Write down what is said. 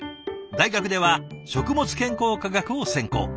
大学では食物健康科学を専攻。